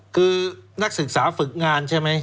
คือนักศึกษาฝึกงานใช่ไหม